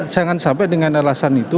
saya akan sampai dengan alasan itu